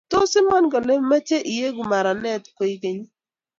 Tos iman kole imache ieku meranet koikeny ii?